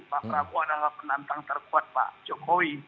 pak prabowo adalah penantang terkuat pak jokowi